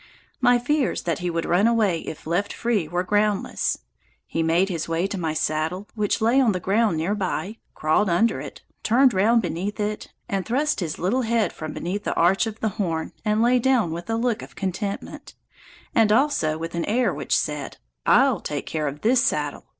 My fears that he would run away if left free were groundless. He made his way to my saddle, which lay on the ground near by, crawled under it, turned round beneath it, and thrust his little head from beneath the arch of the horn and lay down with a look of contentment, and also with an air which said, "I'll take care of this saddle.